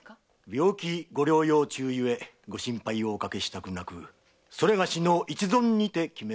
病気ご療養中ゆえご心配をおかけしたくなくそれがしの一存にて決め